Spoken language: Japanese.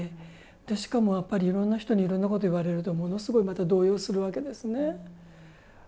しかも、いろんな人にいろんなことを言われるとものすごいまた動揺するわけですね。